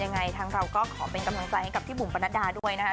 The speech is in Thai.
ยังไงทางเราก็ขอเป็นกำลังใจให้กับพี่บุ๋มปนัดดาด้วยนะคะ